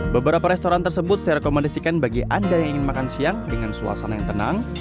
beberapa restoran tersebut saya rekomendasikan bagi anda yang ingin makan siang dengan suasana yang tenang